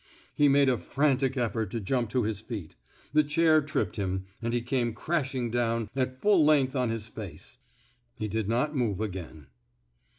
He made a frantic effort to jump to his feet; the chair tripped him, and he came crashing down at full length on his face. He did not move again.